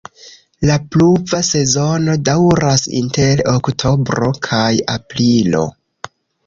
La pluva sezono daŭras inter oktobro kaj aprilo.